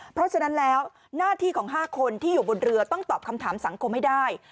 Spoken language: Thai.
เพราะฉะนั้นแล้วหน้าที่ของ๕คนที่อยู่บนเรือต้องตอบคำถามสังคมให้ได้